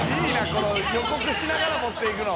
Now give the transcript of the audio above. この予告しながら持って行くの。